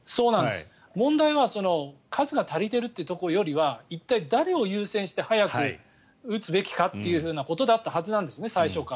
問題は数が足りているというところよりかは一体、誰を優先して早く打つべきかということだったはずなんです。